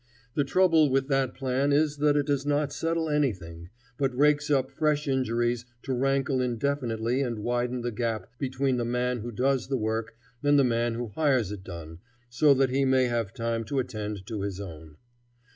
The trouble with that plan is that it does not settle anything, but rakes up fresh injuries to rankle indefinitely and widen the gap between the man who does the work and the man who hires it done so that he may have time to attend to his own.